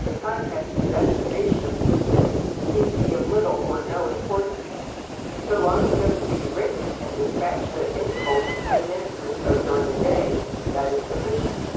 The contents and destination of these "chits" seem to be of little or no importance; so long as notes be written and despatched at intervals of ten minutes or so during the day, that is sufficient.